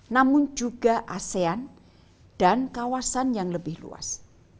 namun juga asean dan kawasan yang lebih luas